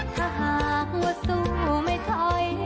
ถ้าหากว่าสู้ไม่ถอย